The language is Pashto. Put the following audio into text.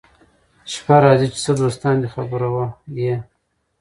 شپه راځي چي څه دوستان دي خبروه يې